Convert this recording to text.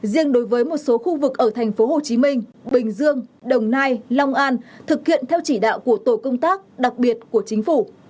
riêng đối với một số khu vực ở thành phố hồ chí minh bình dương đồng nai long an thực hiện theo chỉ đạo của tổ công tác đặc biệt của chính phủ